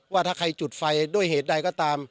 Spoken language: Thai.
ว่าถ้าใครจุดไฟด้วยเหตุใดก็ตาม